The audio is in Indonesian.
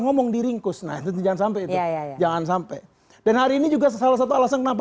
ngomong diringkus nah itu jangan sampai itu jangan sampai dan hari ini juga salah satu alasan kenapa